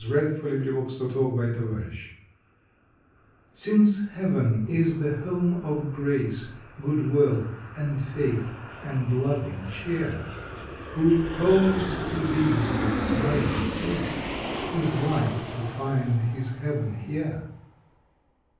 September Eleventh THE INGREDIENTS CINCE Heaven is the Home of Grace, Good Will, and Faith, and loving Cheer, Who holds to these with smiling face Is like to find his Heaven here!